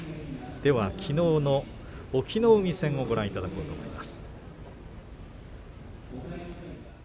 きのうの、隠岐の海戦をご覧いただきます。